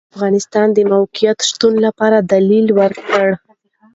هغه د افغانستان د موقت شتون لپاره دلیل ورکړ.